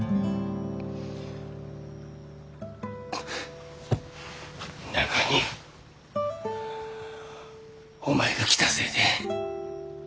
はあなのにお前が来たせいで。